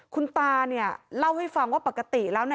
คุณตาเนี่ยเล่าให้ฟังว่าปกติแล้วนะ